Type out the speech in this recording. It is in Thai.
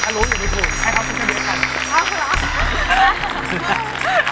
ถ้ารู้อย่าไปถูกให้เขาช่วยด้วยกัน